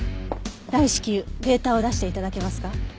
大至急データを出して頂けますか？